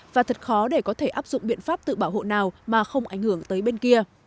và thật khó để có thể áp dụng biện pháp tự bảo hộ nào mà không ảnh hưởng tới bên kia